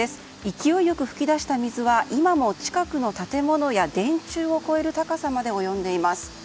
勢いよく噴き出した水は今も近くの建物や電柱を越える高さまで及んでいます。